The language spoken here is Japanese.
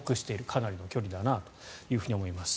かなりの距離だなと思います。